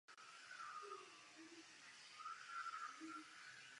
Kaddáfí je africký Fidel Castro.